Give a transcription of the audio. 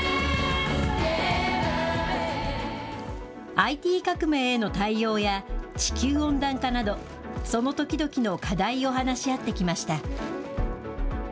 ＩＴ革命への対応や、地球温暖化など、その時々の課題を話し合ってきました。